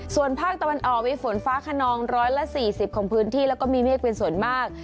ส่วนภาคตะวันออกมีฝนฟ้าขนอง๑๔๐ของพื้นที่แล้วก็มีเมฆเป็นส่วนมาก